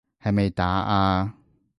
係咪打啊？